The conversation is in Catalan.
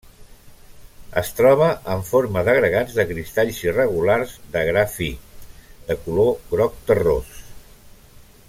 Es troba en forma d'agregats de cristalls irregulars de gra fi, de color groc terrós.